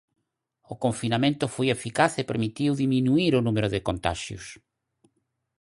O confinamento foi eficaz e permitiu diminuír o número de contaxios.